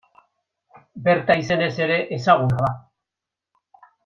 Berta izenez ere ezaguna da.